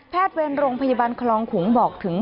เวรโรงพยาบาลคลองขุงบอกถึง